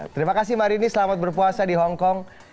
terima kasih marini selamat berpuasa di hongkong